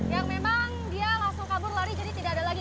yang memang dia langsung kabur lari jadi tidak ada lagi